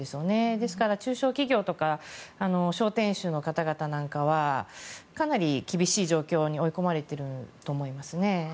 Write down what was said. ですから、中小企業とか商店主の方々なんかはかなり厳しい状況に追い込まれていると思いますね。